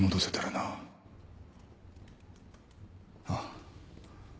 ああ